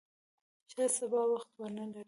شاید سبا وخت ونه لرې !